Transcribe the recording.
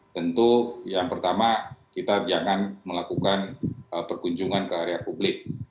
tentu yang pertama kita jangan melakukan perkunjungan ke area publik